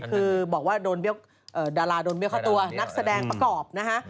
คือบอกว่าโดนดาราโดนเรียกเข้าตัวนักแสดงประกอบนะฮะ